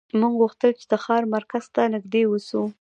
موږ غوښتل چې د ښار مرکز ته نږدې اوسو